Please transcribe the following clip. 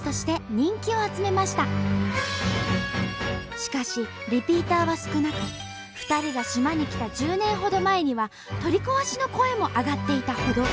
しかしリピーターは少なく２人が島に来た１０年ほど前には取り壊しの声も上がっていたほど。